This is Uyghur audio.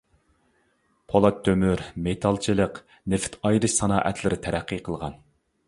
، پولات-تۆمۈر، مېتالچىلىق، نېفىت ئايرىش سانائەتلىرى تەرەققىي قىلغان.